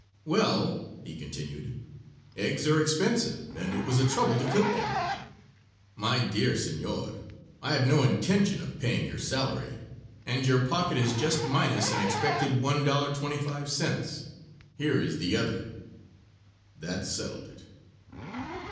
"Well," he continued, "eggs are expensive, and it was a trouble to cook them." "My dear senor, I have no intention of paying your salary, and your pocket is just minus an expected $1.25. Here is the other." That settled it.